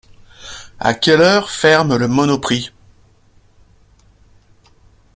A quelle heure ferme le monoprix?